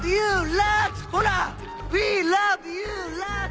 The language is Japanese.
「ウィーラブユーラッツ！